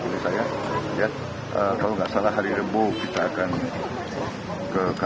kalau nggak salah hari rebu kita akan ke kpk